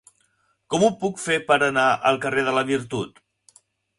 Com ho puc fer per anar al carrer de la Virtut?